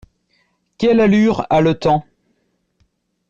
Quelle allure a le temps ?